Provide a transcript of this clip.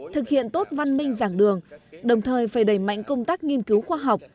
thực hiện tốt văn minh giảng đường đồng thời phải đẩy mạnh công tác nghiên cứu khoa học